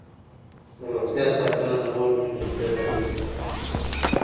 د روغتیا ساتنه د مور لویه مسوولیت ده.